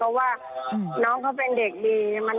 เพราะว่าน้องเขาเป็นเด็กดีมันหาปมยาก